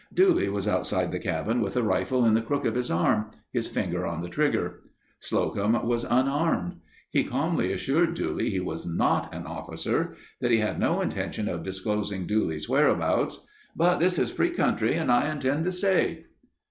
Dooley was outside the cabin with a rifle in the crook of his arm, his finger on the trigger. Slocum was unarmed. He calmly assured Dooley he was not an officer; that he had no intention of disclosing Dooley's whereabouts, "But this is free country and I intend to stay."